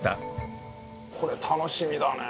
これ楽しみだね。